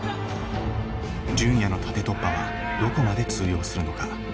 純也の縦突破はどこまで通用するのか。